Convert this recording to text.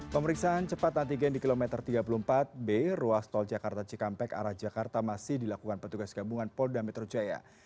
pemeriksaan cepat antigen di kilometer tiga puluh empat b ruas tol jakarta cikampek arah jakarta masih dilakukan petugas gabungan polda metro jaya